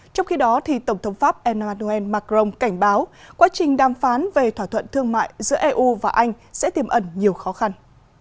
trong khi đó tổng thống pháp emmanuel macron cảnh báo quá trình đàm phán về thỏa thuận thương mại giữa eu và anh sẽ tiềm ẩn nhiều khó khăn